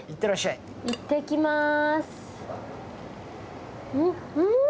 いってきまーす。